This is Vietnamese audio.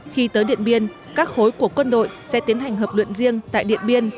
khi tới điện biên các khối của quân đội sẽ tiến hành hợp luyện riêng tại điện biên